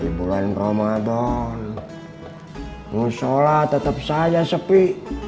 di bulan ramadhan mau shalat tetep saja sepi